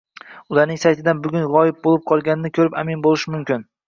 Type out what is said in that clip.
ularning saytidan bugun g‘oyib bo‘lib qolganini ko‘rib amin bo‘lish mumkin